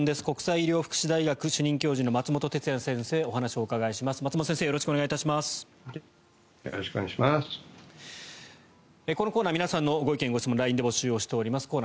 国際医療福祉大学主任教授の松本哲哉先生にお話をお伺いします。